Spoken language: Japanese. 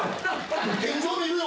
天井見るよ。